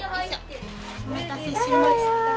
お待たせしました。